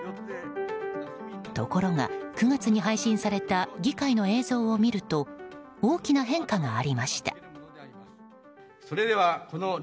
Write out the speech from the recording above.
ところが９月に配信された議会の映像を見ると大きな変化がありました。